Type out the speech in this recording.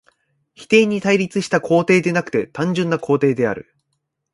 否定に対立した肯定でなくて単純な肯定である。